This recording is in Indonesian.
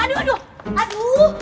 aduh aduh aduh